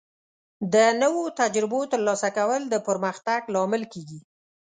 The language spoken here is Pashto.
د نوو تجربو ترلاسه کول د پرمختګ لامل کیږي.